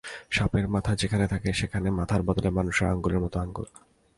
সাপের মাথা যেখানে থাকে সেখানে মাথার বদলে মানুষের আঙুলের মত আঙুল।